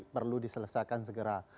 perlu diselesaikan segera